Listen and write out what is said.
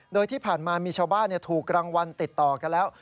โดยที่ผ่านมามีชาวบ้านถูกรางวัลติดต่อกันแล้ว